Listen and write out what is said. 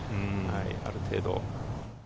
ある程度。